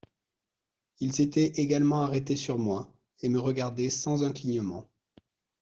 Ils étaient également arrêtés sur moi, et me regardaient sans un clignement.